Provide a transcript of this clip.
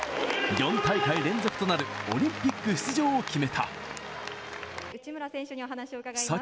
４大会連続となるオリンピック出場を決めた。